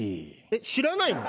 えっ知らないの？